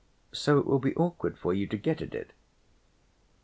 So it will be awkward for you to get at it."